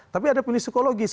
tapi ada pemilih psikologis